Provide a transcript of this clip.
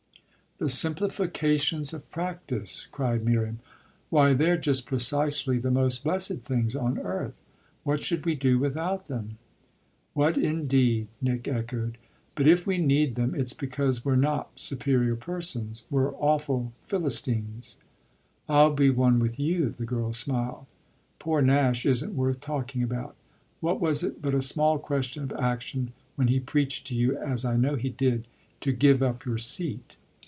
"The simplifications of practice?" cried Miriam. "Why they're just precisely the most blessed things on earth. What should we do without them?" "What indeed?" Nick echoed. "But if we need them it's because we're not superior persons. We're awful Philistines." "I'll be one with you," the girl smiled. "Poor Nash isn't worth talking about. What was it but a small question of action when he preached to you, as I know he did, to give up your seat?"